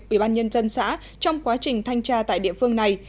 ủy ban nhân dân xã trong quá trình thanh tra tại địa phương này